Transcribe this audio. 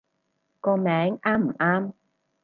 個名啱唔啱